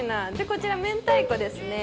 こちら明太子ですね。